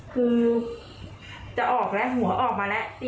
คือจะออกแล้วหัวออกมาแล้ว